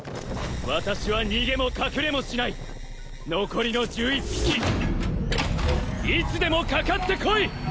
私は逃げも隠れもしない残りの１１匹いつでもかかってこい！